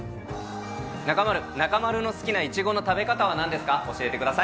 中丸、中丸の好きなイチゴの食べ方はなんですか、教えてください。